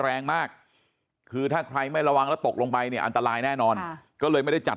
แรงมากคือถ้าใครไม่ระวังแล้วตกลงไปเนี่ยอันตรายแน่นอนก็เลยไม่ได้จัด